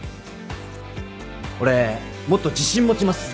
俺もっと自信持ちます。